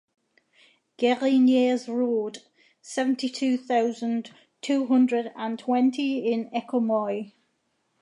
Guérinières road, seventy-two thousand two hundred and twenty in Écommoy.